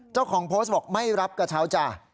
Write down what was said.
เจ้าของโพสต์บอกไม่รับกระเช้าจ้ะ